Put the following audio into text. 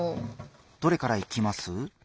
どれからいきます？